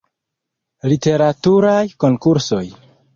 Literaturaj konkursoj.